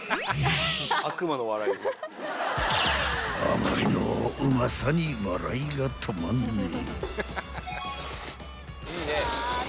［あまりのうまさに笑いが止まんねぇ］